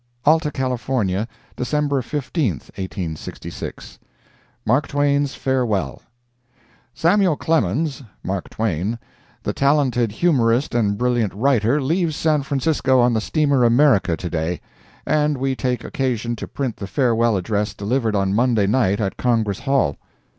Alta California, December 15, 1866 "MARK TWAIN'S" FAREWELL. Samuel Clemens, ("Mark Twain,") the talented humorist and brilliant writer, leaves San Francisco on the steamer America, to day, and we take occasion to print the farewell address delivered on Monday night, at Congress Hall.